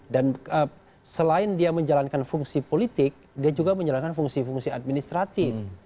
dan selain dia menjalankan fungsi politik dia juga menjalankan fungsi fungsi administratif